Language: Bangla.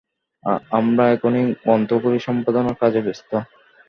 আমরা এখনও গ্রন্থগুলি সম্পাদনার কাজে ব্যস্ত।